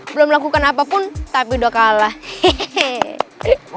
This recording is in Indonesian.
belum melakukan apapun tapi udah kalah